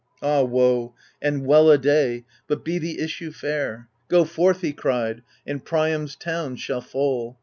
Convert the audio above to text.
(Ah woe and well a day ! but be the issue fair !) Go forthy he cried, and Pria?rCs town shall fall.